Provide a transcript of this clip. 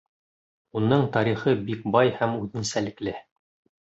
Уның тарихы бик бай һәм үҙенсәлекле.